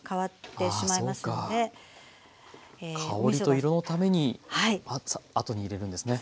香りと色のためにあとに入れるんですね。